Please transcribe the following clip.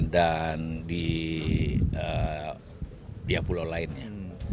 dan di pulau lainnya